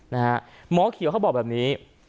หมอเขียวเขาบอกแบบนี้